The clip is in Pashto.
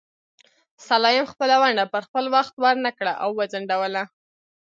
سلایم خپله ونډه پر خپل وخت ورنکړه او وځنډوله.